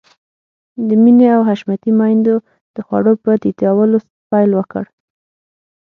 د مينې او حشمتي ميندو د خوړو په تيتولو پيل وکړ.